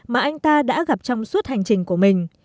mà anh ta đã gặp trong suốt hành trình của mình